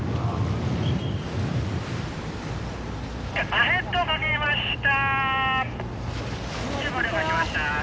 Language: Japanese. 「アヘッドかけました」。